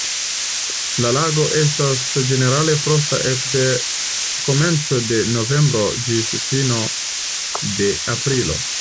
La lago estas ĝenerale frosta ekde komenco de novembro ĝis fino de aprilo.